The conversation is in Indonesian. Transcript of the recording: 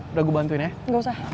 udah gue bantuin ya